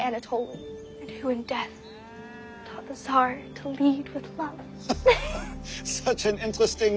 うん！